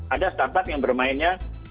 ada start up yang bermainnya